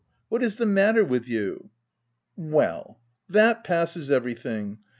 what is the matter with you ?"" Well! that passes everything !